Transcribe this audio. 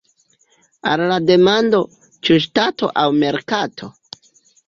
Al la demando "Ĉu ŝtato aŭ merkato?